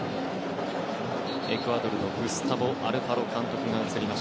エクアドルのグスタボ・アルファロ監督。